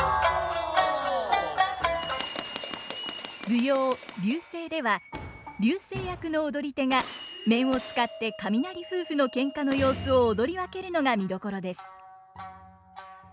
舞踊「流星」では流星役の踊り手が面を使って雷夫婦のけんかの様子を踊り分けるのが見どころです。